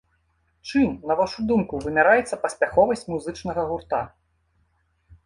Чым, на вашу думку, вымяраецца паспяховасць музычнага гурта?